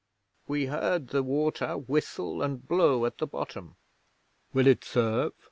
We heard the water whistle and blow at the bottom. "Will it serve?"